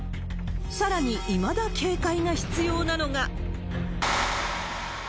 さらに、いまだ警戒が必要なのが。